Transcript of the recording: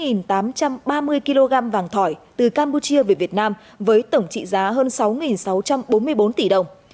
phụng đã mua vàng thỏi từ campuchia về việt nam với tổng trị giá hơn sáu sáu trăm bốn mươi bốn tỷ đồng